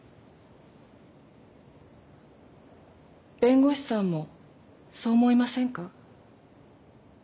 弁護士さんもそう思いませんか？